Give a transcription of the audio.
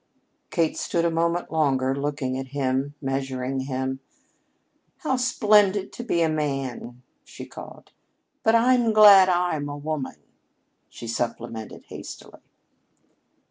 Kate stood a moment longer, looking at him, measuring him. "How splendid to be a man," she called. "But I'm glad I'm a woman," she supplemented hastily.